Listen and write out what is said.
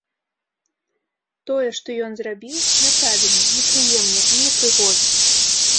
Тое, што ён зрабіў, няправільна, непрыемна і непрыгожа.